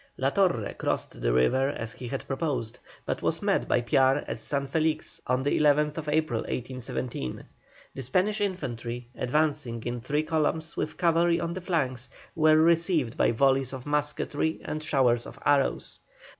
La Torre crossed the river as he had proposed, but was met by Piar at San Felix on the 11th April, 1817. The Spanish infantry, advancing in three columns with cavalry on the flanks, were received by volleys of musketry and showers of arrows.